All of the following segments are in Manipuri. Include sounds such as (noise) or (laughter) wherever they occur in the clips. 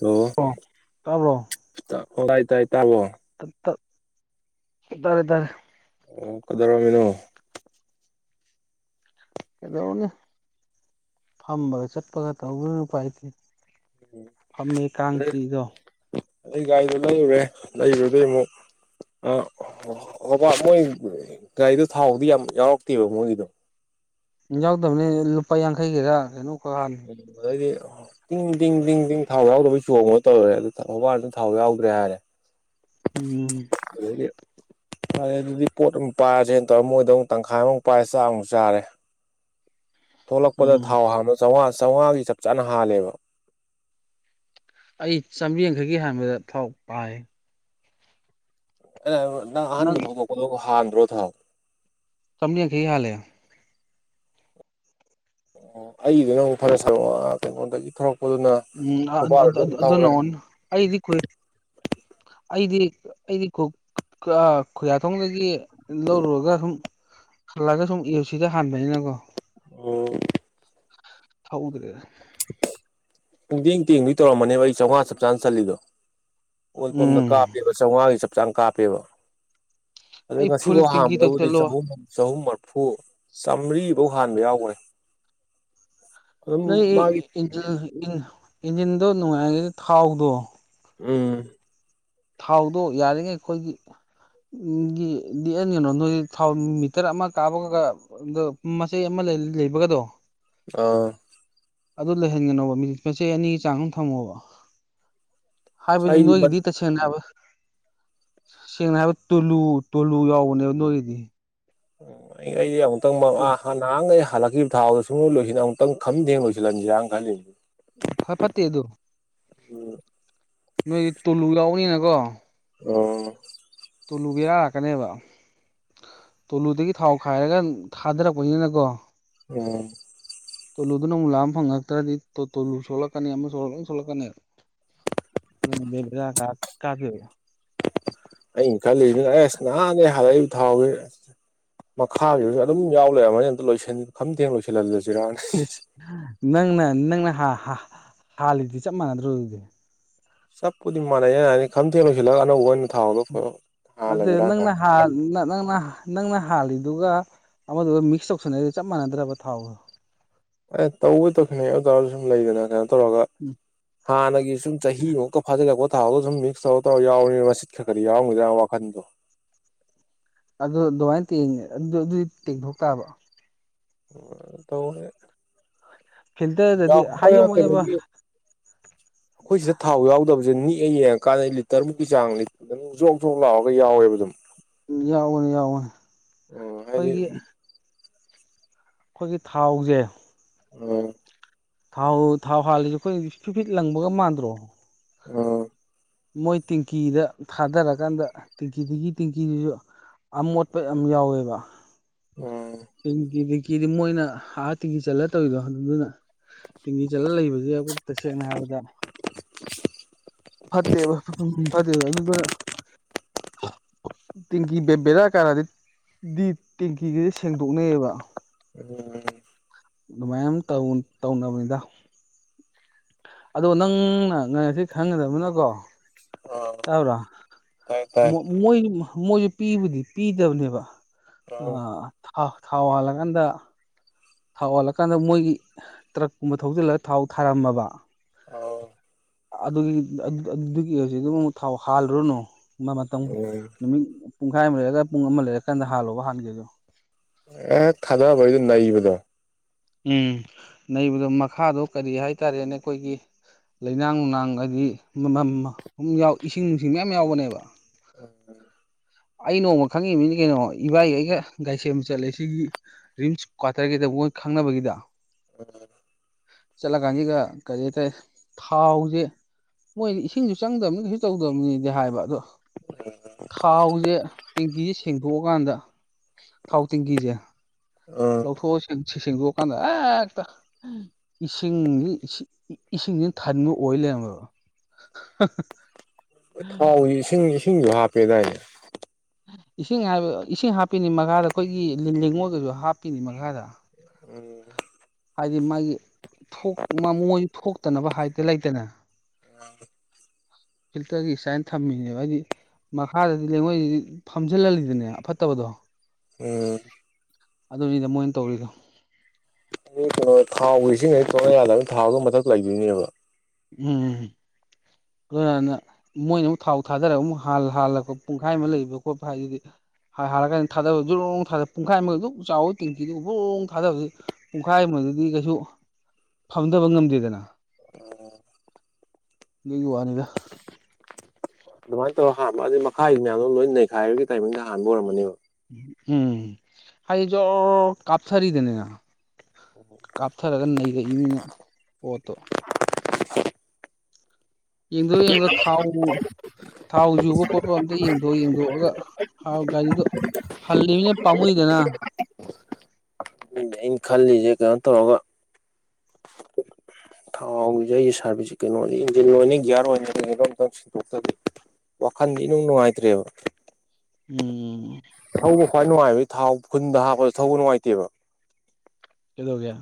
ꯍꯜꯂꯣ ꯑꯣ ꯇꯥꯕ꯭ꯔꯣ ꯑꯣ ꯇꯥꯢ ꯇꯥꯏ ꯇꯥꯕ꯭ꯔꯣ ꯇꯥꯔꯦ ꯇꯥꯔꯦ ꯑꯣ ꯀꯗꯧꯔꯝꯃꯤꯅꯣ ꯀꯩꯗꯧꯔꯨꯅꯤ ꯐꯝꯕꯒ ꯆꯠꯄꯒ ꯇꯧꯕ ꯎꯄꯥꯏ ꯂꯩꯇꯦ ꯐꯝꯃꯦ ꯀꯥꯡ ꯆꯤꯛꯏꯗꯣ ꯑꯩ ꯒꯥꯔꯤꯗꯣ ꯂꯩꯔꯨꯔꯦ ꯂꯩꯔꯨꯗꯩ ꯑꯃꯨꯛ ꯑꯣ ꯃꯣꯏ ꯒꯥꯔꯤꯗꯣ ꯊꯥꯎꯗꯤ ꯌꯥꯝ ꯌꯥꯎꯔꯛꯇꯦꯕ ꯃꯣꯏꯒꯤꯗꯣ ꯌꯥꯎꯗꯕꯅꯦ ꯂꯨꯄꯥ ꯌꯥꯡꯈꯩꯒꯤꯔꯥ ꯀꯩꯅꯣ ꯑꯗꯩꯗꯤ ꯇꯤꯡ ꯇꯤꯡ ꯇꯤꯡ ꯇꯤꯡ ꯊꯥꯎ ꯌꯥꯎꯗꯕꯩ ꯆꯣꯡꯉꯣ ꯇꯧꯔꯦ ꯑꯗꯨ ꯍꯕꯥꯜꯗ ꯊꯥꯎ ꯌꯥꯎꯗ꯭ꯔꯦ ꯍꯥꯏꯔꯦ ꯎꯝ ꯑꯗꯩꯗꯤ ꯐꯔꯦ ꯑꯗꯨꯗꯤ ꯄꯣꯠ ꯑꯃꯨꯛ ꯄꯥꯏꯔꯁꯦꯅ ꯇꯧꯔ ꯃꯣꯏꯗ ꯑꯃꯨꯛ ꯇꯪꯈꯥꯏ ꯑꯃꯃꯨꯛ ꯄꯥꯏꯔꯦ ꯆꯥꯛ ꯑꯃꯨꯛ ꯆꯥꯔꯦ ꯊꯣꯛꯂꯛꯄꯗ ꯎꯝ ꯊꯥꯎ ꯍꯥꯟꯕꯗ ꯆꯧꯉꯥ ꯆꯧꯉꯥꯒꯤ ꯆꯞ ꯆꯥꯅ ꯍꯥꯜꯂꯦꯕ ꯑꯩ ꯆꯥꯝꯃ꯭ꯔꯤ ꯌꯥꯡꯈꯩꯀꯤ ꯍꯥꯟꯕꯗ ꯊꯥꯎꯛ ꯄꯥꯏ ꯅꯪ ꯑꯍꯥꯟꯕ ꯊꯧꯗꯣꯛꯄꯗꯣ ꯍꯥꯟꯗ꯭ꯔꯣ ꯊꯥꯎ ꯆꯝꯔꯤ ꯌꯥꯡꯈꯩꯒꯤ ꯍꯥꯜꯂꯦ ꯑꯣ ꯑꯩꯗꯨꯅ ꯑꯃꯨꯛ ꯐꯔ ꯁꯔꯛꯑꯣ ꯀꯩꯅꯣꯟꯗꯒꯤ ꯊꯣꯛꯄ ꯎꯝ (unintelligible) ꯑꯗꯨꯅꯋꫭꯟ ꯑꯩꯗꯤ ꯀꯨꯏ ꯑꯩꯗꯤ ꯑꯩꯗꯤ (unintelligible) ꯈꯨꯌꯥꯊꯣꯡꯗꯒꯤ ꯂꯧꯔꯨꯔꯒ ꯑꯗꯨꯝ ꯍꯜꯂꯒ ꯁꯨꯝ ꯑꯦ ꯌꯨ ꯁꯤꯗ ꯍꯥꯟꯕꯅꯤꯅꯀꯣ ꯎꯝ ꯊꯧꯗ꯭ꯔꯦ ꯄꯨꯡꯇꯦꯡ ꯇꯦꯡꯒꯩ ꯇꯧꯔꯝꯃꯅꯦꯕ ꯑꯩ ꯆꯧꯉꯥ ꯆꯞ ꯆꯥ ꯆꯜꯂꯤꯗꯣ ꯑꯣꯏꯜ ꯄꯝꯗ ꯎꯝ ꯀꯥꯞꯄꯦꯕ ꯆꯧꯉꯥꯒꯤ ꯆꯞ ꯆꯥꯅ ꯀꯥꯞꯄꯦꯕ ꯑꯗꯨ ꯑꯩ ꯉꯁꯤ ꯐꯨꯜ ꯃꯨꯛ ꯇꯦꯡꯀꯤ ꯍꯥꯟꯕꯗꯕꯨꯗꯤ ꯇꯧꯁꯜꯂꯣ ꯆꯍꯨꯝ ꯆꯍꯨꯝ ꯃꯔ ꯐꯨ ꯆꯥꯝꯔꯤꯕꯧ ꯍꯥꯟꯕ ꯌꯥꯎꯒ꯭ꯔꯦ ꯅꯣꯏ ꯏꯟꯖꯤꯟ ꯏꯟꯖꯤꯟꯗꯣ ꯅꯨꯡꯉꯥꯏꯔꯒ ꯊꯥꯎꯗꯣ ꯎꯝ ꯊꯥꯎꯗꯣ ꯌꯥꯔꯤꯉꯩ ꯈꯣꯏꯒꯤ (unintelligible) ꯅꯣꯏ ꯊꯥꯎ ꯃꯤꯇꯔ ꯑꯃ ꯀꯥꯞꯕꯒꯒ (unintelligible) ꯃꯆꯩ ꯑꯃ ꯂꯩꯕꯒꯗꯣ ꯑ ꯑꯗꯨ ꯂꯩꯍꯟꯒꯅꯣꯕ (unintelligible) ꯃꯆꯩ ꯑꯅꯤꯒꯤ ꯆꯥꯡ (unintelligible) ꯊꯝꯃꯣꯕ ꯍꯥꯏꯕꯗꯤ ꯑꯩꯗꯤ ꯅꯣꯏꯒꯤꯗꯤ ꯇꯁꯦꯡꯅ ꯍꯥꯏꯕ ꯁꯦꯡꯅ ꯍꯥꯏꯕ ꯇꯨꯂꯨ ꯇꯨꯂꯨ ꯌꯥꯎꯕꯅꯦꯕ ꯅꯣꯏꯗꯤ (unintelligible) ꯑꯩ ꯑꯃꯨꯛꯇꯪ (unintelligible) ꯅꯍꯥꯟꯒꯩ ꯍꯜꯂꯛꯈꯤꯕ ꯊꯥꯎꯗꫭ (unintelligible) ꯑꯃꯨꯛꯇꯪ ꯈꯝ ꯊꯦꯡ ꯂꯣꯏꯁꯤꯜꯍꯟꯁꯤꯔꯥꯅ ꯈꯜꯂꯤ ꯐ ꯐꯠꯇꯦ ꯑꯗꯨ (unintelligible) ꯅꯣꯏꯗꯤ ꯇꯨꯂꯨ ꯌꯥꯎꯕꯅꯤꯅꯀꯣ ꯑꯣ ꯇꯨꯂꯨ ꯕꯦꯔꯥ ꯂꯥꯛꯀꯅꯦꯕ ꯇꯨꯂꯨꯗꯒꯤ ꯊꯥꯎ ꯈꯥꯏꯔꯒ ꯊꯥꯗꯔꯛꯄꯅꯤꯅꯀꯣ ꯎꯝ ꯇꯨꯜꯂꯨꯗꯨꯅ ꯑꯃꯨꯛ ꯂꯥꯝ ꯐꯪꯉꯛꯇ꯭ꯔꯗꯤ ꯇꯨꯜꯂꯨ ꯁꯣꯂꯛꯀꯅꯤ ꯑꯃ ꯁꯣꯛꯂꯛꯀꯅꯤ ꯂꯣꯏ ꯁꯣꯛꯂꯛꯀꯅꯦ (unintelligible) ꯑꯩ ꯈꯟꯂꯤꯖꯤꯅ ꯑꯦꯁ ꯅꯍꯥꯟꯗꯩ ꯍꯥꯜꯂꯛꯏ ꯊꯥꯎ (unintelligible) ꯃꯈꯥꯒꯤꯁꯨ ꯑꯗꯨꯝ ꯌꯥꯎ ꯂꯩꯔꯝꯃꯅꯤ ꯑꯝꯇ ꯂꯣꯏꯁꯟ ꯈꯝꯊꯦꯡ ꯂꯣꯏꯁꯜ (unintelligible) ꯏꯁ ꯅꯪꯅ ꯅꯪꯅ ꯍꯥꯜꯂꯤꯗꯤ ꯆꯞ ꯃꯥꯟꯅꯗ꯭ꯔꯣ ꯗꯨꯗꯤ ꯆꯞꯄꯨꯗꯤ ꯃꯥꯟꯅꯩꯌꯦ (unintelligible) ꯈꯝꯊꯦꯡꯅ ꯂꯣꯏꯁꯤꯂꯒ ꯑꯅꯧꯕ ꯑꯣꯏꯅ ꯊꯥꯎꯗꯣ (unintelligible) ꯍꯥꯜꯂꯁꯤꯔꯥ ꯀꯥꯏ ꯅꯪꯅ (unintelligible) ꯅꯪꯅ ꯅꯪꯅ ꯍꯥꯜꯂꯤꯗꯨꯒ ꯑꯃꯗꯨꯒ ꯃꯤꯛꯁ ꯇꯧꯁꯟꯅꯩꯗꯣ ꯆꯞ ꯃꯥꯟꯅꯗ꯭ꯔꯕ ꯊꯥꯎꯗꯣ ꯑꯦ ꯇꯧꯕ (unintelligible) ꯑꯗꯨ ꯇꯥꯔꯁꯨ ꯁꯨꯝ ꯂꯩꯗꯅ (unintelligible) ꯇꯧꯔꯒ ꯍꯥꯟꯅꯒꯤ ꯁꯨꯝ ꯆꯍꯤꯃꯨꯛꯀ ꯐꯥꯖꯤꯜꯂꯛꯄ ꯊꯥꯎꯗꫭ ꯁꯨꯝ‌ ꯃꯤꯛꯁ ꯇꯧ ꯇꯧꯔ ꯌꯥꯎꯔꯦꯕ (unintelligible) ꯋꯥꯈꯟꯗꯣ ꯑꯗꯨ ꯑꯗꯨꯝꯃꯥꯏꯅ ꯇꯦꯡꯉꯦ ꯑꯗꯨ ꯑꯗꯨꯗꯤ ꯇꯦꯡꯊꯣꯛ ꯇꯥꯕ (unintelligible) ꯐꯤꯜꯇꯔꯗꯗꯤ (unintelligible) ꯍꯥꯏꯖꯕꯋꯥꯅꯦꯕ ꯀꯩꯅꯣꯒꯤ ꯑꯈꯣꯏꯁꯤ ꯊꯥꯎ ꯌꯥꯎꯗꯕꯁꯦ ꯅꯤꯛꯑ ꯌꯦꯡꯉꯀꯥꯟꯗ ꯂꯤꯇꯔꯃꯨꯛꯀꯤ ꯆꯥꯡ (unintelligible) ꯑꯗꯨꯝ ꯖꯣꯛ ꯖꯣꯛ ꯂꯥꯎꯋꯒ ꯌꯥꯎꯋꯦꯕ ꯑꯗꯨꯝ ꯌꯥꯎꯕꯅꯦ ꯌꯥꯎꯕꯅꯦ ꯑꯣ ꯍꯥꯏꯗꯤ ꯑꯈꯣꯏꯒꯤ ꯈꯣꯏꯒꯤ ꯊꯥꯎꯖꯦ ꯑꯪ ꯊꯥꯎ ꯊꯥꯎ ꯍꯥꯜꯂꯤꯁꯦ ꯑꯩꯈꯣꯏ ꯐꯤꯠ ꯐꯤꯠ ꯂꯪꯕꯒ ꯃꯥꯟꯗ꯭ꯔꯣ ꯑꯧ ꯃꯣꯏ ꯇꯦꯡꯀꯤꯗ ꯊꯥꯗꯔꯀꯥꯟꯗ ꯇꯦꯡꯀꯤꯒꯤ ꯇꯦꯡꯀꯤꯗꯨꯁꯨ ꯑꯃꯣꯠꯄ ꯌꯥꯝ ꯌꯥꯎꯋꯦꯕ ꯎꯝ ꯁꯤꯗꯤ ꯃꯣꯏꯅ ꯑꯥ ꯇꯦꯡꯀꯤ ꯆꯜꯂ ꯇꯧꯔꯤꯗꯣ ꯑꯗꯨꯅ ꯇꯤꯡꯀꯤ ꯆꯠꯂꯒ ꯂꯩꯕꯁꯦ ꯑꯈꯣꯢ ꯇꯁꯦꯡꯅ ꯍꯥꯏꯔꯕꯗ (inaudible) ꯐꯠꯇꯦꯕ ꯐꯠꯇꯦꯕ ꯑꯗꯨꯗꯨꯅ ꯇꯦꯡꯀꯤ ꯕꯦ ꯕꯦ ꯕꯦꯔꯥ ꯀꯥꯔꯛꯑꯗꯤ ꯗꯤ ꯇꯦꯡꯀꯤꯒꯁꯦ ꯁꯦꯡꯗꯣꯛꯅꯩꯑꯕ ꯎꯝ ꯑꯗꯨꯃꯥꯏ ꯑꯝ ꯇꯧ ꯇꯧꯅꯕꯅꯤꯗ ꯑꯗꯣ ꯅꯪꯅ ꯉꯁꯤ ꯈꯪꯒꯗꯕꯅꯀꯣ ꯑꯥ ꯇꯕ꯭ꯔꯥ ꯇꯥꯏ ꯇꯥꯏ ꯃꯣꯏ ꯃꯣꯏꯁꯨ ꯄꯤꯕꯨꯗꯤ ꯄꯤꯗꯕꯅꯦꯕ ꯑ ꯑꯥ ꯊꯥꯎ ꯊꯥꯎ ꯍꯥꯜꯂꯀꯥꯟꯗ ꯊꯥꯎ ꯍꯥꯜꯂꯀꯥꯟꯗ ꯃꯣꯏꯒꯤ ꯇ꯭ꯔꯛꯀꯨꯝꯕ ꯊꯧꯖꯤꯜꯂꯒ ꯊꯥꯎ ꯊꯥꯔꯝꯃꯕ ꯑꯥꯎ ꯑꯗꯨꯒꯤ ꯑꯗꯨꯒꯤ ꯍꯧꯖꯤꯛꯇꯣ ꯑꯃꯨꯛ ꯊꯥꯎ ꯍꯥꯜꯂꯨꯔꯅꯨ ꯃꯇꯝ ꯎꯝ ꯅꯨꯃꯤꯠ ꯄꯨꯡꯈꯥꯏ ꯑꯃ ꯂꯩꯔꯒ ꯄꯨꯡ ꯑꯃ ꯂꯩꯔꯀꯥꯟꯗ ꯍꯥꯜꯂꯣꯕ ꯍꯥꯟꯒꯦꯁꯨ ꯍꯦꯛ ꯊꯥꯗꯕꯩꯗꯣ ꯅꯩꯕꯗꯣ ꯎꯝ ꯅꯩꯕꯗꯣ ꯃꯈꯥꯗꯣ ꯀꯔꯤ ꯍꯥꯏꯇꯥꯔꯦꯅꯦ ꯑꯈꯣꯏꯒꯤ ꯂꯩꯅꯥꯡ ꯅꯨꯡꯅꯥꯡ ꯍꯥꯏꯗꯤ ꯃ-ꯃ-ꯃ ꯏꯁꯤꯡ ꯅꯨꯡꯁꯤꯡ ꯃꯌꯥꯝ ꯌꯥꯎꯕꯅꯦꯕ (unintelligible) ꯑꯩ ꯅꯣꯡꯃ ꯈꯪꯉꯤꯕꯅꯤ ꯀꯩꯅꯣ ꯏꯕꯥꯏ ꯑꯩꯒ ꯒꯥꯔꯤ ꯁꯦꯝꯕ ꯆꯠꯂꯦ ꯁꯤꯒꯤ ꯔꯤꯝꯁ ꯀ꯭ꯋꯥꯇꯔꯒꯤꯗ ꯃꯣꯏ ꯈꯪꯅꯕꯒꯤꯗ ꯑꯗ ꯆꯠꯂꯀꯥꯟꯁꯤꯒ ꯀꯔꯤ ꯍꯥꯏꯇꯥꯔꯦ ꯊꯥꯎꯖꯦ ꯃꯣꯏꯅꯗꯤ ꯏꯁꯤꯡꯁꯨ ꯆꯪꯗꯕꯅꯤ ꯀꯩꯁꯨ ꯇꯧꯗꯕꯅꯤꯗꯤ ꯍꯥꯏꯕ ꯑꯗꯣ ꯊꯥꯎꯖꯦ ꯇꯦꯡꯀꯤꯖꯦꯁꯤ ꯁꯦꯡꯗꯣꯛꯑꯀꯥꯟꯗ ꯊꯥꯎ ꯇꯦꯡꯀꯤꯁꯦ ꯑꯥ ꯂꯧꯊꯣꯛꯑ ꯁꯦꯡ ꯁꯦꯡꯗꯣꯛꯑꯀꯥꯟꯗ ꯍꯦꯛꯇ ꯏꯁꯤꯡꯖꯤ ꯏꯁꯤꯡꯁꯤꯅ ꯊꯟꯕ ꯑꯣꯏ ꯂꯩꯔꯝ ꯏꯌꯥꯕ ꯍꯥ-ꯍꯥ ꯊꯥꯎꯖꯦ ꯏꯁꯤꯡ ꯏꯁꯤꯡꯁꯨ ꯍꯥꯞꯄꯦꯗꯥꯏꯅꯦ ꯏꯁꯤꯡ ꯍꯥꯏ ꯏꯁꯤꯡ ꯍꯥꯞꯄꯤꯅꯤ ꯃꯈꯥꯗ ꯑꯩꯈꯣꯏꯒꯤ ꯂꯤ ꯂꯦꯡꯉꯣꯏꯒꯁꯨ ꯍꯥꯞꯄꯤꯅꯤ ꯃꯈꯥꯗ ꯎꯝ ꯍꯥꯏꯗꯤ ꯃꯥꯒꯤ ꯊꯣꯛ ꯃꯃꯣꯢ ꯊꯣꯛꯇꯅꯕ ꯍꯥꯏꯗꯤ ꯂꯩꯗꯅ (inaudible) ꯐꯤꯜꯇꯔꯒꯤ ꯁꯨꯌꯥꯢꯟ ꯊꯝꯃꯤꯅꯦꯕ ꯍꯥꯏꯗꯤ ꯃꯈꯥꯗꯗꯤ ꯂꯩꯉꯣꯏꯁꯤꯗꯤ ꯐꯝꯖꯤꯜꯍꯜꯂꯤꯗꯅ ꯑꯐꯠꯇꯕꯗꯣ ꯑꯣ ꯑꯗꯨꯅꯤꯗ ꯃꯣꯏꯅ ꯇꯧꯔꯤꯗꯣ ꯀꯩꯅꯣ ꯊꯥꯎꯒ ꯢꯁꯤꯡꯒ ꯇꯣꯠꯅ ꯌꯥꯗꯅꯤꯅ ꯊꯥꯎꯅ ꯃꯊꯛ ꯂꯩꯈꯤꯅꯤꯕ ꯎꯝ ꯑꯗꯨꯅ ꯃꯣꯏꯅ ꯑꯃꯨꯛ ꯊꯥꯎ ꯊꯥꯗꯔꯒ ꯑꯃꯨꯛ ꯍꯥꯜꯂꯛꯄ ꯄꯨꯡꯈꯥꯏ ꯑꯃ ꯂꯩꯕ ꯈꯣꯠꯄ ꯍꯥꯏꯗꯨꯗꯤ ꯍꯥꯜꯔꯀꯥꯟꯗ ꯊꯥꯗꯕ ꯖ꯭ꯔꯣꯡ ꯊꯥ ꯄꯨꯡꯈꯥꯏ ꯑꯃꯒ ꯑꯗꯨꯛ ꯆꯥꯎꯕ ꯇꯦꯡꯀꯤꯗꯨ ꯕ꯭ꯔꯣꯡ ꯊꯥꯗꯕ ꯄꯨꯡꯈꯥꯏ ꯑꯃ ꯑꯗꯨꯗꯤ ꯀꯩꯁꯨ ꯐꯝꯊꯕ ꯉꯝꯗꯦꯗꯅ ꯗꯨꯒꯤ ꯋꯥꯅꯤꯗ ꯑꯗꯨꯃꯥꯏꯅ ꯇꯧꯔ ꯍꯥꯟꯕ ꯑꯗꯤ ꯃꯈꯥꯒꯤ ꯃꯌꯥꯝꯗꯣ ꯂꯣꯏ ꯅꯩꯈꯥꯏꯔꯒꯤ ꯇꯥꯏꯃꯤꯡꯗ ꯍꯥꯟꯕ ꯑꯣꯏꯔꯝꯒꯅꯦꯕ ꯎꯝ ꯍꯥꯏ ꯖꯣꯔ ꯀꯥꯞꯊꯔꯤꯗꯦꯅ ꯀꯥꯞꯊꯔꯒ ꯅꯩꯔꯛꯏꯅꯤꯅ ꯄꯣꯠꯇꯣ ꯌꯦꯡꯗꯣ ꯌꯦꯡꯗꯣ ꯊꯥꯎꯕꯨ ꯊꯥꯎ ꯌꯨꯕ ꯈꯣꯠꯄ ꯑꯝꯇ ꯌꯦꯡꯊꯣꯛ ꯌꯦꯡꯗꯣꯛꯑꯒ ꯊꯥꯎ ꯒꯥꯔꯤꯗꯣ ꯍꯜꯂꯤꯕꯅꯤꯅ ꯄꯥꯝꯃꯨꯏꯗꯅ ꯑꯗꯨꯅꯦ ꯑꯩꯅ ꯈꯜꯂꯤꯖꯦ ꯀꯩꯅꯣ ꯇꯧꯔꯒ ꯊꯥꯎꯖꯦ ꯑꯩ ꯁꯥꯔꯚꯤꯁꯁꯦ ꯀꯩꯅꯣꯅꯤ ꯏꯟꯖꯤꯟ ꯑꯣꯢꯅꯤ ꯒꯤꯌꯥꯔ ꯑꯣꯏꯅꯤ (unintelligible) ꯑꯝꯇꯪ ꯁꯤꯟꯗꯣꯛꯇꯗꯤ ꯋꯥꯈꯟꯗꯤ ꯏꯅꯨꯡ ꯅꯨꯡꯉꯥꯏꯇ꯭ꯔꯦꯕ ꯎꯝ ꯊꯧꯕ ꯈ꯭ꯋꯥꯏ ꯅꯨꯡꯉꯥꯏꯕ ꯊꯥꯎ ꯐꯨꯟꯗ ꯍꯥꯞꯄꯁꯨ ꯊꯧꯕ ꯅꯨꯡꯉꯥꯏꯇꯦꯕ ꯀꯩꯗꯧꯒꯦ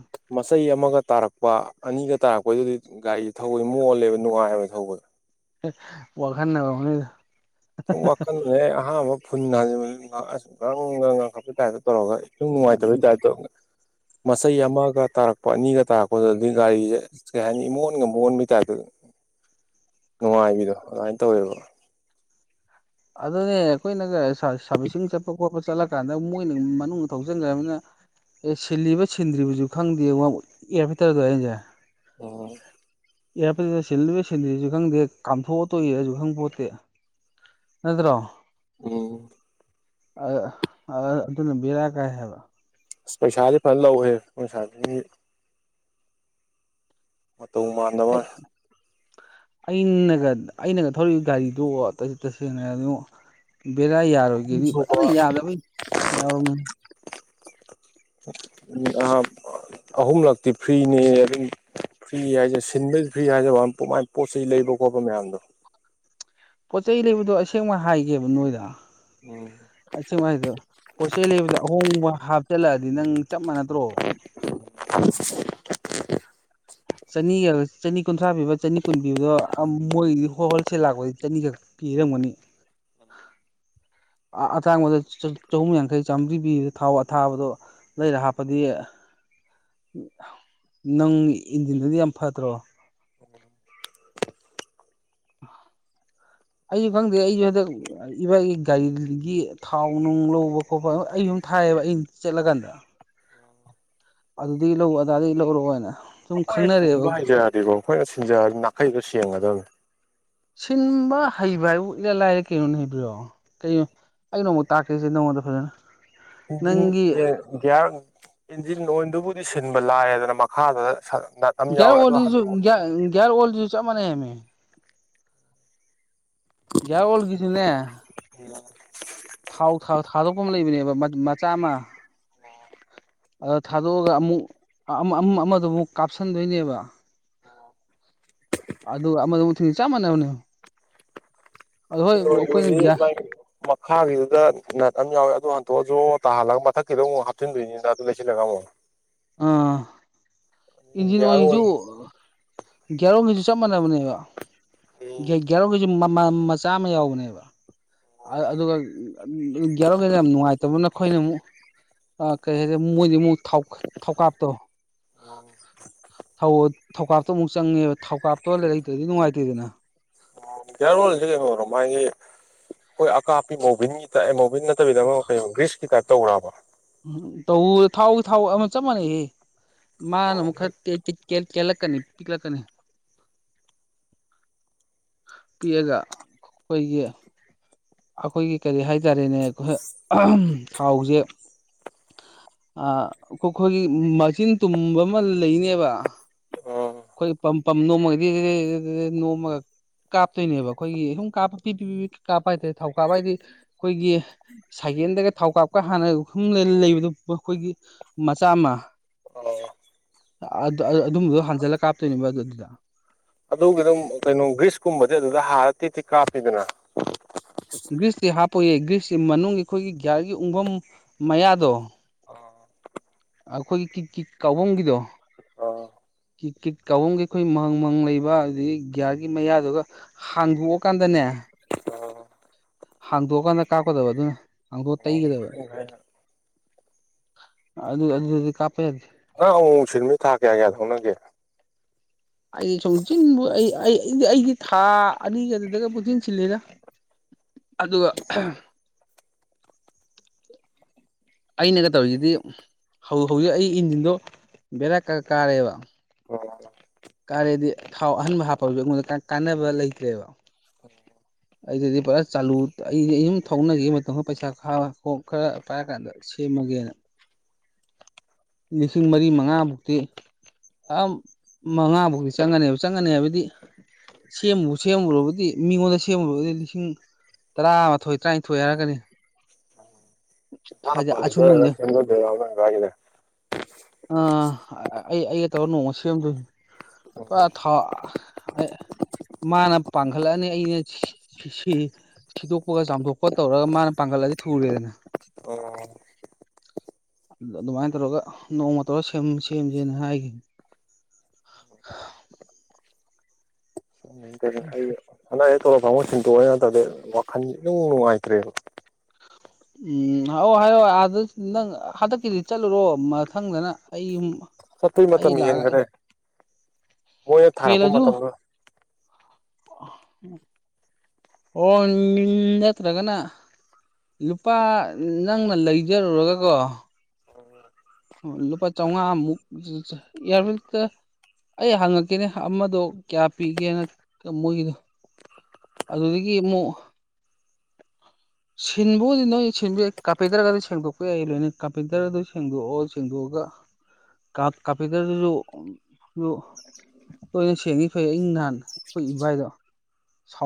ꯆꯩ ꯑꯃꯒ ꯇꯥꯔꯛꯄ ꯑꯅꯤꯒ ꯇꯥꯔꯛꯄꯩꯗꯨꯗꯤ ꯒꯥꯔꯤꯖꯦ ꯊꯧꯕ ꯃꯣꯜꯂꯦꯕ ꯅꯨꯡꯉꯥꯏꯑꯦꯕ ꯊꯧꯕ ꯍꯦ ꯋꯥꯈꯟꯅ ꯑꯣꯢꯔꯝꯒꯅꯤꯗ ꯁꯨꯝ ꯋꯥꯈꯜꯗꯅꯦ ꯑꯍꯥꯟꯕ ꯐꯨꯟ ꯍꯥꯟꯖꯤꯟꯕꯗ ꯑꯁ ꯉꯔꯪ ꯉꯪꯈꯠꯄꯩ ꯇꯥꯏꯞ ꯇꯧꯔꯒ ꯁꯨꯝ ꯅꯨꯡꯉꯥꯏꯇꯕꯩ ꯇꯥꯢꯞ ꯇꯧ ꯃꯆꯩ ꯑꯃꯒ ꯇꯥꯔꯛꯄ ꯑꯅꯤꯒ ꯇꯥꯔꯛꯄ ꯑꯗꯨꯗꯒꯤ ꯒꯥꯔꯤꯖꯦ ꯀꯩ ꯍꯥꯏꯅꯤ ꯏꯃꯣꯟꯒ ꯃꯣꯟꯕꯩ ꯇꯥꯢꯞ ꯇ ꯅꯨꯡꯉꯥꯏꯕꯤꯗꯣ ꯑꯗꯨꯃꯥꯏꯅ ꯇꯧꯋꯦꯕ ꯑꯗꯨꯅꯦ ꯑꯩꯈꯣꯏꯅꯒ ꯁꯥ ꯁꯥꯕꯤꯁꯤꯡ ꯆꯠꯄ ꯈꯣꯠꯄ ꯆꯠꯂꯀꯥꯟꯗ ꯃꯣꯏꯅ ꯃꯅꯨꯡꯗ ꯊꯧꯖꯤꯟꯒꯔꯕꯅꯤꯅ ꯑꯦ ꯁꯤꯜꯂꯤꯕ ꯁꯤꯟꯗ꯭ꯔꯤꯕꯁꯨ ꯈꯪꯗꯦ ꯋꯥ ꯏꯌꯥꯔꯐꯤꯠꯇꯔꯗ (unintelligible) ꯑꯣ ꯏꯌꯔꯐꯤꯜꯇꯔ ꯁꯤꯂꯤꯔ ꯁꯤꯟꯗ꯭ꯔꯤꯔꯁꯨ ꯈꯪꯗꯦ ꯀꯥꯝꯊꯣꯛꯑ ꯇꯣꯛꯏꯔꯖꯨ ꯈꯪ ꯄꯣꯠꯇꯦ ꯅꯠꯇ꯭ꯔꯣ ꯎꯝ ꯑꯥ ꯑꯥ ꯑꯗꯨꯅ ꯕꯦꯔꯥ ꯀꯥꯏ ꯍꯥꯏꯕ ꯑꯁ ꯄꯩꯁꯥꯗꯤ ꯐꯅ ꯂꯧꯋꯦꯍꯦ ꯃꯣꯢ ꯁꯥꯔꯕꯤꯁꯤꯡꯒꯤ ꯃꯇꯧ ꯑꯩ ꯃꯥꯟꯗꯕꯋꯥꯅꯦ ꯑꯩꯅꯒ ꯑꯩꯅꯒ ꯊꯧꯔꯤꯕ ꯒꯥꯔꯤꯗꯣ ꯇ ꯇꯁꯦꯡꯅ ꯍꯥꯢꯔꯕꯗꯉꯣ ꯕꯦꯔꯥ ꯌꯥꯔꯣꯏꯒꯦꯗꯤ ꯁꯨꯕ ꯐꯖꯥꯅ ꯌꯥꯗꯕꯩ (unintelligible) ꯑꯥ ꯑꯍꯨꯝꯂꯛꯇꯤ ꯐ꯭ꯔꯤꯅꯦꯌꯦ ꯑꯗꯨꯒꯤ ꯐ꯭ꯔꯤ ꯍꯥꯏꯖꯦ ꯁꯤꯟꯕ ꯐ꯭ꯔꯤ ꯍꯥꯏꯖꯕ ꯋꯥꯅꯤ ꯃꯥꯏ ꯄꯣꯠ ꯆꯩ ꯂꯩꯕ ꯈꯣꯠꯄ ꯃꯌꯥꯝꯗꯣ ꯄꯣꯠ ꯆꯩꯩ ꯂꯩꯕꯗꯣ ꯑꯁꯦꯡꯕ ꯍꯥꯏꯒꯦꯕ ꯅꯣꯏꯗ ꯎꯝ ꯑꯁꯦꯡꯃꯥꯏꯗꯣ ꯄꯣꯠꯆꯩ ꯂꯩꯕꯗ ꯑꯍꯣꯡꯕ ꯍꯥꯞꯆꯤꯜꯂꯛꯑꯗꯤ ꯅꯪ ꯆꯞ ꯃꯥꯟꯅꯗ꯭ꯔꯣ (inaudible) ꯆꯅꯤꯒ ꯆꯅꯤ ꯀꯨꯟꯊ꯭ꯔꯥ ꯄꯤꯕ ꯆꯅꯤ ꯀꯨꯟ ꯄꯤꯕꯗꯣ ꯃꯣꯏꯗꯤ ꯍꯣꯜꯁꯦꯜ ꯂꯥꯛꯄꯗꯤ ꯆꯅꯤꯈꯛ ꯄꯤꯔꯝꯒꯅꯤ ꯑꯝ ꯑꯥ ꯑꯇꯥꯡꯕꯗꯣ ꯆꯥ ꯆꯍꯨꯝ ꯌꯥꯡꯈꯩ ꯆꯥꯝꯃꯔꯤ ꯄꯤꯕꯗꯣ ꯊꯥꯎ ꯑꯊꯥꯕꯗꯣ ꯂꯩꯔ ꯍꯥꯞꯄꯗꯤ ꯅꯪ ꯏꯟꯖꯤꯟꯗꯨꯗꯤ ꯌꯥꯝ ꯐꯗ꯭ꯔꯣ (inaudible) ꯑꯩꯖꯨ ꯈꯪꯗꯦ ꯑꯩꯖꯨ ꯍꯟꯗꯛ ꯑꯥ ꯏꯕꯥꯢꯒꯤ ꯒꯥꯔꯤꯒꯤ ꯊꯥꯎ ꯅꯨꯡ ꯂꯧꯕ ꯈꯣꯠꯄ ꯑꯥ ꯑꯩ ꯁꯨꯝ ꯊꯥꯏ ꯑꯩ ꯆꯠꯂꯀꯥꯟꯗ ꯑꯗꯨꯗꯒꯤ ꯂꯧ ꯑꯗꯥꯗꯒꯤ ꯂꯧꯔꯛꯑꯣꯅ ꯁꯨꯝ ꯑꯩꯈꯣꯏꯅ ꯈꯪꯅꯔꯛꯑꯦꯕ ꯊꯤꯟꯕ ꯍꯩꯖꯔꯗꯤꯀꯣ ꯑꯩꯈꯣꯏꯅ ꯁꯤꯟꯖꯔꯗꯤ ꯅꯥꯈꯩꯗꯣ ꯁꯦꯡꯉꯗꯕꯅꯤ ꯁꯤꯟꯕ ꯍꯩꯕ ꯍꯥꯏꯕꯨ ꯏꯔꯥꯢ ꯂꯥꯏꯔꯦ ꯀꯩꯅꯣꯅꯦ ꯕ꯭ꯔꯤꯌꯦ ꯀꯩꯅꯣ ꯑꯩ ꯅꯣꯡꯃ ꯇꯥꯛꯀꯦꯁꯦ ꯅꯉꯣꯟꯗ ꯐꯖꯅ ꯏꯟꯖꯤꯟ ꯅꯪꯒꯤ ꯑꯦ ꯒ꯭ꯌꯥꯔ ꯏꯟꯖꯤꯟ ꯑꯣꯢꯟꯗꯨꯕꯨ ꯁꯤꯟꯕ ꯂꯥꯏꯔꯦꯗꯅ ꯃꯈꯥꯗ ꯁꯥ ꯒ꯭ꯌꯥꯔ ꯑꯣꯜꯗꯨꯁꯨ ꯒ꯭ꯌꯥ ꯒ꯭ꯌꯥꯔ ꯑꯣꯜꯗꯁꯨ ꯆꯞ ꯃꯥꯟꯅꯩꯃꯤ ꯒ꯭ꯌꯥꯔ ꯑꯣꯜꯒꯤꯁꯨꯅꯦ ꯎꯝ ꯆꯥꯝꯃ ꯑꯗ ꯊꯥꯗꯣꯛꯑꯒ ꯑꯃꯨꯛ ꯑꯃ ꯑꯃꯗꯨ ꯑꯃꯨꯛ ꯀꯥꯞꯁꯤꯟꯗꯣꯏꯅꯦꯕ (inaudible) ꯑꯗꯨ ꯑꯃꯗꯣ ꯊꯤꯡ ꯆꯞ ꯃꯥꯟꯅꯕꯅꯦꯌꯣ ꯥꯏꯔꯣꯏ ꯔꯣꯏꯔꯤ ꯃꯥꯏ ꯃꯈꯥꯒꯤꯗꯨꯗ ꯅꯥꯠ ꯑꯃ ꯌꯥꯎꯋꯦ ꯑꯗꯨ ꯍꯟ ꯇꯣ ꯖꯣ ꯇꯥꯍꯜꯂꯒ ꯃꯊꯛꯀꯤꯗꯣ ꯑꯃꯨꯛ ꯍꯥꯞꯆꯤꯟꯗꯣꯏꯅꯤꯅ ꯑꯗꯨ ꯂꯩꯁꯤꯜꯂꯒ ꯑꯃꯨꯛ ꯑꯥ ꯏꯟꯖꯤꯟ ꯒꯤꯌꯥꯔ ꯑꯣꯏꯁꯨ ꯑꯣꯏꯜꯒꯤ ꯒꯤꯒꯌꯥꯔ ꯑꯣꯏꯟꯒꯁꯨ ꯆꯞ ꯃꯥꯟꯅꯕꯅꯦꯕ ꯒ꯭ꯌꯥ ꯒ꯭ꯌꯥꯔꯑꯣꯏꯜꯁꯨ ꯃꯆꯥ ꯑꯃ ꯌꯥꯎꯕꯅꯦꯕ ꯑꯗꯨꯒ ꯒ꯭ꯌꯥꯔꯑꯣꯏꯜ ꯌꯥꯝ ꯅꯨꯡꯉꯥꯏꯇꯕ ꯅꯈꯣꯏꯅ ꯑꯃꯨꯛ ꯑꯥ ꯀꯩ ꯍꯥꯏꯅꯤ ꯃꯣꯏꯗꯤ ꯑꯃꯨꯛ ꯊꯥꯎ ꯊꯧꯀꯥꯞꯇꯣ ꯊꯥꯎ ꯊꯧꯀꯥꯞꯇꯣ ꯑꯃꯨꯛ ꯆꯪꯉꯦꯕ ꯊꯧꯀꯥꯞꯇꯣ ꯂꯩꯇ꯭ꯔꯗꯤ ꯅꯨꯡꯉꯥꯏꯇꯦꯗꯅ ꯎꯝ ꯒ꯭ꯌꯥꯔꯑꯣꯏꯜꯁꯨ ꯌꯦꯡꯉꯨꯔꯣ ꯃꯥꯒꯤ ꯑꯩꯈꯣꯏ ꯑꯀꯥꯞꯄꯤ ꯃꯣꯕꯤꯟꯒꯤ ꯇꯥꯏ ꯋꯨꯟ ꯅꯠꯇꯕꯤꯗ ꯑꯃ ꯒ꯭ꯔꯤꯁꯀꯤ ꯇꯥꯏꯞ ꯇꯧꯕ꯭ꯔꯥꯕ ꯎꯝ ꯇꯧ ꯊꯥꯎ ꯊꯥꯎ ꯑꯃ ꯆꯞ ꯃꯥꯟꯅꯩꯍꯦ ꯃꯥꯅ ꯑꯃꯨꯛ ꯈꯔ ꯇꯦꯜꯂꯛꯀꯅꯤ ꯄꯤꯛꯂꯛꯀꯅꯤ ꯄꯤꯛꯑꯒ ꯑꯩꯈꯣꯏꯒꯤ ꯑꯩꯈꯣꯏꯒꯤ ꯀꯔꯤ ꯍꯥꯏ ꯍꯥꯏꯇꯥꯔꯦꯅꯦ ꯑꯩꯈꯣꯏ ꯊꯥꯎꯁꯦ ꯑꯥ ꯑꯩꯈꯣꯏꯒꯤ ꯃꯆꯤꯟ ꯇꯨꯝꯕ ꯑꯃ ꯂꯩꯅꯦꯕ ꯑꯣ ꯑꯩꯈꯣꯏ ꯄꯝ ꯄꯝ ꯅꯣꯝꯃꯒꯗꯤ ꯅꯣꯝꯃꯒ ꯀꯥꯞꯇꯣꯏꯅꯦꯕ ꯑꯩꯈꯣꯏꯒꯤ ꯁꯨꯝ ꯀꯥꯞꯄ ꯄꯤ ꯄꯤ ꯄꯤ ꯀꯥꯞꯄ ꯍꯥꯏꯇꯥꯔꯦ ꯊꯥꯎ ꯀꯥꯞꯄ ꯍꯥꯏꯗꯤ ꯑꯩꯈꯣꯏꯒꯤ ꯁꯥꯏ ꯔꯦꯟꯗꯒ ꯊꯥꯎ ꯀꯥꯞꯀ ꯍꯥꯟꯅ ꯍꯨꯝ ꯂꯩꯕꯗꯣ ꯑꯩꯈꯣꯏꯒꯤ ꯃꯆꯥ ꯑꯃ ꯑꯣ ꯑꯗꯨꯝꯕꯗꯣ ꯍꯟꯖꯜꯂꯛ ꯕ ꯑꯗꯨꯗ ꯑꯗꯨꯒꯤ ꯑꯗꯨꯝ ꯀꯩꯅꯣ ꯒ꯭ꯔꯤꯁꯀꯨꯝꯕꯗꯤ ꯑꯗꯨꯗ ꯍꯥꯔ ꯇꯤꯠ ꯇꯤꯠ ꯀꯥꯞꯄꯤꯗꯅ ꯒ꯭ꯔꯤꯁꯇꯤ ꯍꯥꯞꯄꯣꯏꯌꯦ ꯒ꯭ꯔꯤꯁꯁꯤ ꯃꯅꯨꯡꯒꯤ ꯑꯩꯈꯣꯏꯒꯤ ꯒꯤꯌꯥꯔꯒꯤ ꯎꯡꯕꯝ ꯃꯌꯥꯗꯣ ꯑꯥ ꯑꯩꯈꯣꯏꯒꯤ ꯀꯤꯛ ꯀꯤꯛ ꯀꯥꯎꯕꯝꯒꯤꯗꯣ ꯑꯣ ꯀꯤꯛ ꯀꯤꯛ ꯀꯥꯎꯕꯝꯒꯤ ꯑꯩꯈꯣꯏ ꯃꯍꯪ ꯃꯍꯪ ꯂꯩꯕ ꯑꯗꯨꯗꯒꯤ ꯒꯤꯌꯥꯔꯒꯤ ꯃꯌꯥꯗꯨꯒ ꯍꯥꯡꯗꯣꯛꯑꯀꯥꯟꯗꯅꯦ ꯑꯥ ꯍꯥꯡꯗꯣꯛꯑꯀꯥꯟꯗ ꯀꯥꯞꯀꯗꯕ ꯑꯗꯨꯅ ꯍꯥꯡꯗꯣꯛꯑ ꯑꯣ ꯇꯩꯒꯗꯕ ꯑ ꯑꯗꯨ ꯑꯗꯨꯗꯗꯤ ꯀꯥꯞꯄ ꯌꯥꯗꯦ ꯅꯪ ꯑꯃꯨꯛ ꯃꯨꯛ ꯁꯤꯟꯕꯗꯨ ꯊꯥ ꯀꯌꯥ ꯀꯌꯥ ꯊꯧꯅꯒꯦ ꯑꯩꯗꯤ ꯁꯣꯡꯆꯤꯟꯕꯨ ꯑꯩꯗꯤ ꯑꯩꯗꯤ ꯊꯥ ꯑꯅꯤꯒꯤ ꯑꯗꯨꯗꯒ ꯄꯨꯡꯆꯤꯟ ꯁꯤꯜꯂꯤꯗ ꯑꯗꯨꯒ ꯑꯍꯝ (inaudible) ꯑꯩꯅꯒ ꯇꯧꯔꯤꯖꯤꯗꯤ ꯍꯧ ꯍꯧꯖꯤꯛ ꯑꯩ ꯏꯟꯖꯤꯟꯗꯣ ꯕꯦꯔꯥ ꯀ ꯀꯥꯔꯦꯕ ꯎꯝ ꯀꯥꯔꯦꯗꯤ ꯊꯥꯎ ꯑꯍꯟꯕ ꯍꯥꯞꯄꯖꯨ ꯑꯩꯉꯣꯟꯗ ꯀ ꯀꯥꯟꯅꯕ ꯂꯩꯇ꯭ꯔꯦꯕ (inaudible) ꯑꯩꯗꯗꯤ ꯄꯨꯔꯥ ꯆꯂꯨ ꯑꯩꯗꯤ ꯑꯗꯨꯝ ꯊꯧꯅꯒꯤꯒꯦ ꯃꯇꯝ ꯈꯔ ꯄꯩꯁꯥ ꯈꯥ ꯈꯔ ꯄꯥꯏꯔ ꯀꯥꯟꯗ ꯁꯦꯝꯃꯒꯦꯅ ꯂꯤꯁꯤꯡ ꯃꯔꯤ ꯃꯉꯥꯃꯨꯛꯇꯤ ꯑꯥ ꯃꯉꯥ ꯕꯧꯗꯤ ꯆꯪꯉꯅꯦꯕ ꯆꯪꯉꯅꯤ ꯍꯥꯏꯕꯗꯤ ꯁꯦꯝꯃꯨ ꯁꯦꯝꯃꯨꯔꯕꯗꯤ ꯃꯤꯉꯣꯟꯗ ꯁꯦꯝꯃꯨꯔꯕꯗꯤ ꯂꯤꯁꯤꯡ ꯇꯔꯥꯃꯊꯣꯏ ꯇꯔꯥꯅꯤꯊꯣꯏ ꯍꯥꯏꯔꯛꯀꯅꯤ ꯍꯥꯏꯗꯤ (unintelligible) ꯑꯥ ꯑꯩ ꯑꯩꯒ ꯇꯧꯔ ꯅꯣꯡꯃ ꯁꯦꯝꯗꯣꯏꯅꯤ ꯄꯨꯔ ꯊꯥꯎ ꯑꯩ ꯃꯥꯅ ꯄꯥꯡꯈꯠꯂꯛꯑꯅꯤ ꯑꯩꯅ ꯁꯤ ꯁꯤꯗꯣꯛꯄꯒ ꯆꯥꯝꯊꯣꯛꯄ ꯇꯧꯔꯒ ꯃꯥꯅ ꯄꯥꯡꯈꯠꯂꯛꯑꯗꯤ ꯊꯨꯔꯦꯗꯅ ꯑꯣ ꯑꯗꯨꯃꯥꯏꯅ ꯇꯧꯔꯒ ꯅꯣꯡꯃ ꯇꯧꯔꯒ ꯁꯦꯝ ꯁꯦꯝꯖꯦꯅ ꯍꯥꯏꯒꯤꯝ (inaudible) (unintelligible) ꯍꯥꯟꯗꯛ ꯍꯦꯛ ꯇꯣꯂꯣꯞ ꯐꯪꯕꯒ ꯁꯤꯟꯇꯣꯛꯑꯅꯤ ꯅꯠꯇꯗꯤ ꯋꯥꯈꯟ ꯏꯅꯨꯡ ꯅꯨꯡꯉꯥꯏꯇ꯭ꯔꯦꯕ ꯎꯝ ꯑꯣ ꯍꯏꯌꯣ ꯑꯗ ꯅꯪ ꯍꯥꯟꯗꯛꯀꯤꯗꯤ ꯆꯥꯠꯂꯨꯔꯣ ꯃꯊꯪꯗꯅ ꯑꯩ ꯌꯨꯝ ꯆꯥꯠꯄꯩ ꯃꯇꯝ ꯍꯦꯟꯒꯔꯦ ꯃꯣꯏꯅ ꯊꯥꯔꯛꯄ ꯍꯦꯜꯂꯁꯨ ꯃꯇꯝꯗꯣ ꯑꯣ ꯅꯠꯇ꯭ꯔꯒꯅ ꯂꯨꯄꯥ ꯅꯪꯅ ꯂꯩꯖꯔꯨꯔꯒꯀꯣ ꯂꯨꯄꯥ ꯆꯧꯉꯃꯨꯛ ꯆꯥꯆꯥ ꯌꯥꯔꯕꯦꯛꯇ ꯑꯩ ꯍꯪꯉꯛꯀꯦꯅꯦ ꯑꯃꯗꯣ ꯀꯌꯥ ꯄꯤꯒꯦꯅ ꯃꯣꯏꯒꯤꯗꯣ ꯑꯗꯨꯗꯒꯤ ꯑꯃꯨꯛ (inaudible) ꯁꯤꯟꯕꯨꯗꯤ ꯅꯣꯏ ꯁꯤꯟꯕꯨ ꯌꯥꯏ ꯀꯄ꯭ꯦꯇꯔꯒꯗꯣ ꯁꯦꯡꯗꯣꯛꯄ ꯌꯥꯏ ꯂꯣꯏꯅ ꯀꯄꯦꯇꯔꯗꯣ ꯁꯦꯡꯗꯣꯛꯑꯣ ꯁꯦꯡꯗꯣꯛꯑꯒ ꯀꯥ ꯀꯥꯄꯤꯇꯔꯗꯨꯖꯨ ꯖꯨ ꯇꯣꯏꯅ ꯁꯦꯡꯉꯤ ꯐꯩ ꯑꯩ ꯅꯍꯥꯟ ꯑꯈꯣꯏ ꯏꯕꯥꯏꯗꯣ